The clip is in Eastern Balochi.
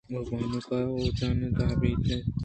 او بانُک ءُ واجھاں اد ءَ بْیا اِت۔